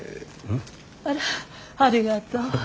あらありがとう。